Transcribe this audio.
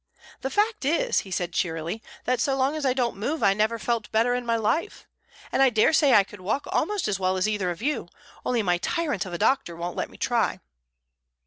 "The fact is," he said cheerily, "that so long as I don't move I never felt better in my life. And I daresay I could walk almost as well as either of you, only my tyrant of a doctor won't let me try."